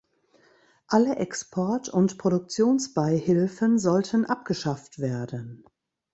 Alle Export- und Produktionsbeihilfen sollten abgeschafft werden.